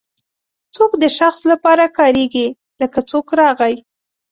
څوک د شخص لپاره کاریږي لکه څوک راغی.